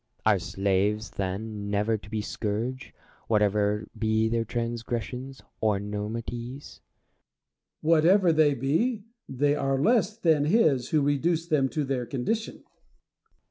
Plato. Are slaves then never to be scourged, whatever be their transgressions and enormities'! Diogenes. Whatever they be, they are less than his who reduced them to their condition.